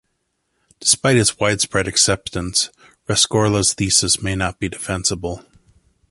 Despite its widespread acceptance, Rescorla's thesis may not be defensible.